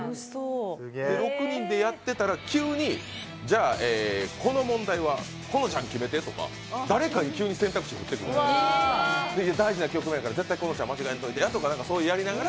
６人でやってたら急に、この問題はこのちゃん決めてとか誰かに急に選択肢を振ってもいい、大事な局面やから、絶対このちゃん負けんといてやとか。